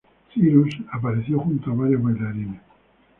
Cyrus apareció junto a varios bailarines.